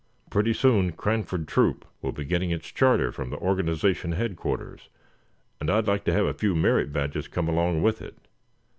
Pretty soon Cranford Troop will be getting its charter from the organization headquarters, and I'd like to have a few merit badges come along with it.